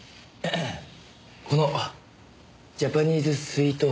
このジャパニーズスイートハート。